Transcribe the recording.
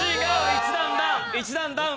１段ダウン１段ダウン。